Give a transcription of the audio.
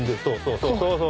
そうそうそう。